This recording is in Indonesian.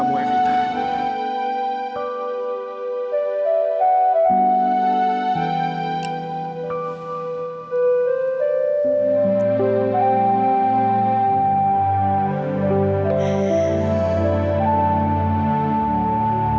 aku ingin mencobanya